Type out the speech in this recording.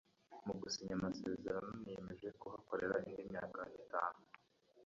Mu gusinya amasezerano niyemeje kuhakorera indi myaka itanu